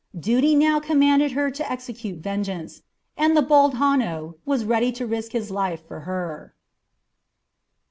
Duty now commanded her to execute vengeance, and the bold Hanno was ready to risk his life for her.